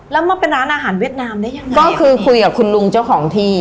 แล้วมาเป็นร้านอาหารเวียดนามได้ยังไงก็คือคุยกับคุณลุงเจ้าของที่